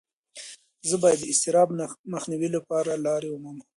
زه باید د اضطراب مخنیوي لپاره لارې ومومم.